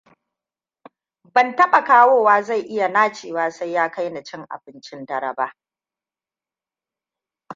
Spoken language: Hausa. Ban taɓa kawowa zai iya nacewa sai ya kaini cin abincin dare ba.